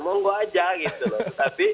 monggo aja gitu loh